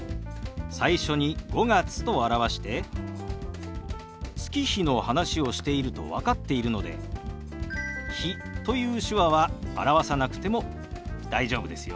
最初に「５月」と表して月日の話をしていると分かっているので「日」という手話は表さなくても大丈夫ですよ。